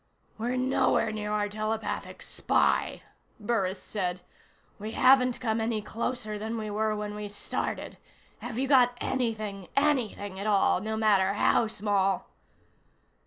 "We're nowhere near our telepathic spy," Burris said. "We haven't come any closer than we were when we started. Have you got anything? Anything at all, no matter how small?"